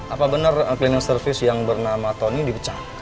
apa bener klinik service yang bernama tony dipecat